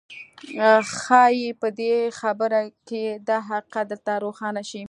ښايي په دې خبره کې دا حقيقت درته روښانه شي.